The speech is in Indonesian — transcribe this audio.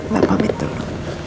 mbak pamit dulu